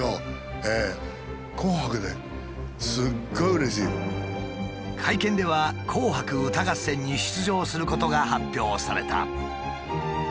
現れたのは会見では「紅白歌合戦」に出場することが発表された。